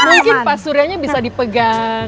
mungkin pasuryanya bisa dipegang